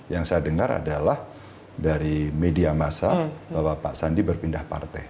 yang saya dengar adalah dari media masa bahwa pak sandi berpindah partai